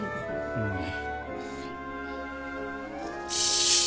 うん。